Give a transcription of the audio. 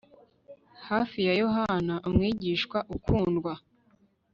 Hafi ya Yohana umwigishwa ukundwa